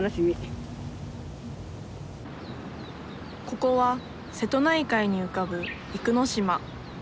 ここは瀬戸内海に浮かぶ生野島。